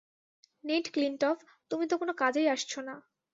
Neat ক্লিনটফ, তুমি তো কোন কাজেই আসছো না।